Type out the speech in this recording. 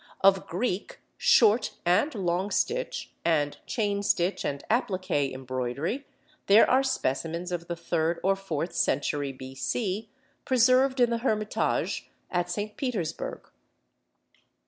Of Greek short and long stitch, and chain stitch and appliqué embroidery, there are specimens of the third or fourth century B.C. preserved in the Hermitage at St. Petersburg.